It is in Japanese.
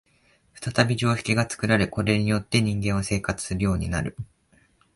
再び常識が作られ、これによって人間は生活するようになる。